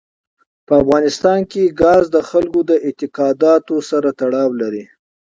په افغانستان کې ګاز د خلکو د اعتقاداتو سره تړاو لري.